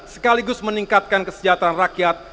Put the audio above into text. sekaligus meningkatkan kesejahteraan rakyat